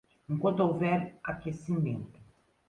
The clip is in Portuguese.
Enquanto houver aquecimento